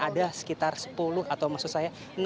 ada sekitar sepuluh atau maksud saya